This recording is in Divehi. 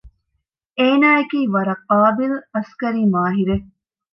އޭނާއަކީ ވަރަށް ޤާބިލު އަސްކަރީ މާހިރެއް